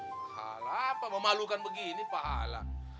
pahala apa memalukan begini pahala